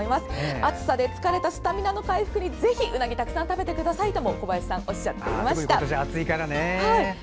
暑さで疲れたスタミナの回復にぜひ、うなぎたくさん食べてくださいとも小林さん、おっしゃっていました。